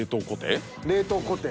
冷凍庫手？